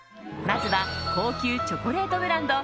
まずは高級チョコレートブランド